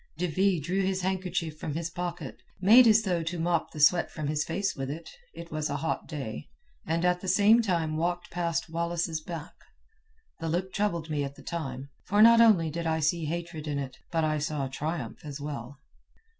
De Ville drew his handkerchief from his pocket, made as though to mop the sweat from his face with it (it was a hot day), and at the same time walked past Wallace's back. The look troubled me at the time, for not only did I see hatred in it, but I saw triumph as well.